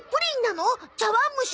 茶わんむしなの？